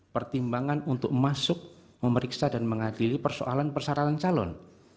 pertimbangan untuk masuk memeriksa dan mengadili persoalan persyaratan calon